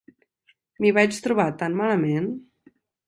M'hi vaig trobar tan malament!